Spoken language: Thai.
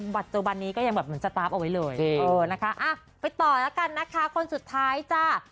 บัจจุบันนี้ก็ยังเหมือนจะตราบเอาไว้เลยไปต่อแล้วกันนะคะคนสุดท้ายจ้า